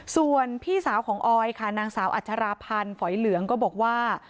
ส่วนพี่สาวของออยค่ะนางสาวอัชราพันธ์ฝอยเหลืองก็บอกว่า